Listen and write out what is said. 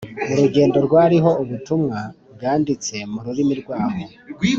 urugendo rwariho ubutumwa bwanditse mu rurimi rwaho